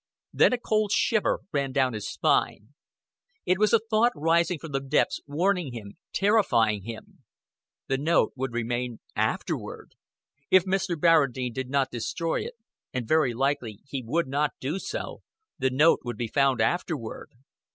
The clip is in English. Then a cold shiver ran down his spine. It was a thought rising from the depths, warning him, terrifying him. The note would remain afterward. If Mr. Barradine did not destroy it and very likely he would not do so the note would be found afterward.